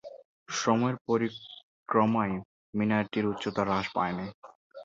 সময়ের পরিক্রমায় মিনারটির উচ্চতা হ্রাস পায়নি।